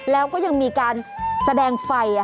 แล้วก็ยังมีการแสดงไฟ